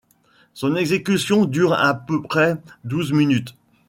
Son exécution dure à peu près douze minutes.